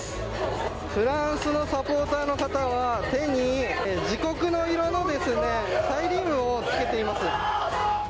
フランスのサポーターの方は手に自国の色のサイリウムを着けています。